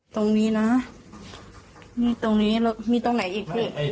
ตรงนี้นะตรงนี้แล้วตรงไหนอีกที